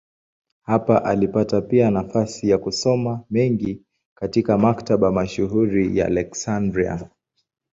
Hapa alipata pia nafasi ya kusoma mengi katika maktaba mashuhuri ya Aleksandria.